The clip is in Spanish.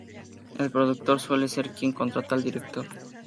El productor suele ser quien contrata al director.